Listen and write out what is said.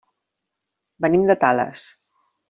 Venim de Tales.